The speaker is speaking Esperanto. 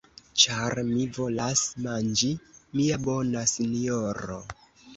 Ĉar mi volas manĝi, mia bona sinjoro.